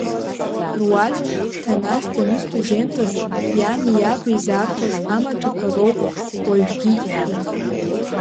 Руаӡәк, Ҭанас данстудентыз иани иаби изаархәаз амаҭәақәа роуп уажәгьы ишәу.